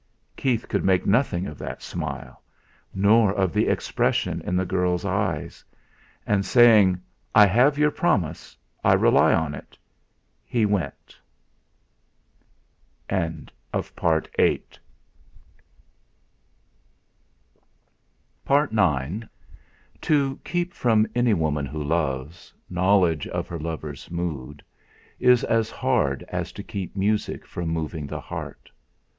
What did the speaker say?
Keith could make nothing of that smile, nor of the expression in the girl's eyes. And saying: "I have your promise, I rely on it!" he went. IX To keep from any woman who loves, knowledge of her lover's mood, is as hard as to keep music from moving the heart.